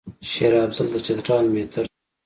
شېر افضل د چترال مهتر شو.